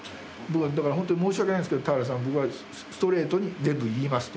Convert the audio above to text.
だからホントに申し訳ないんですけど「田原さん僕はストレートに全部言います」と。